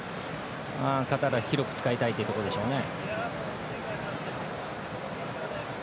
カタールは広く使いたいというところでしょうね。